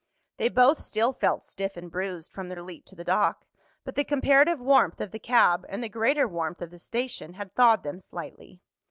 They both still felt stiff and bruised from their leap to the dock, but the comparative warmth of the cab and the greater warmth of the station had thawed them slightly.